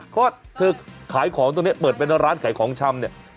เพราะเธอขายของตรงนี้เปิดเป็นร้านขายของชำเนี่ย